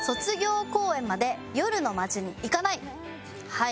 はい。